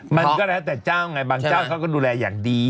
มันก็แล้วแต่เจ้าไงบางเจ้าเขาก็ดูแลอย่างดี